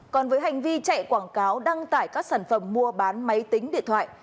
còn với hành vi chạy quảng cáo đăng tải các sản phẩm mua bán máy tính điện thoại